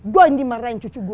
gue yang dimarahin cucu gue